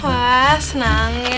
wah senang ya